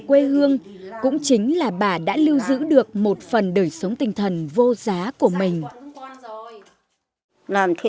quê hương cũng chính là bà đã lưu giữ được một phần đời sống tinh thần vô giá của mình